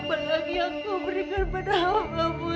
buat pakai baju brokat biru gue